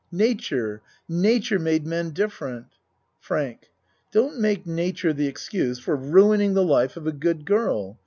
Nature, nature made men different. FRANK Don't make nature the excuse for ruin ing the life of a good girl.